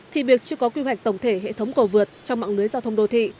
thì việc chưa có quy hoạch tổng thể hệ thống cầu vượt trong mạng lưới giao thông đô thị